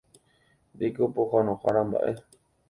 Ndéiko pohãnohára mba'e.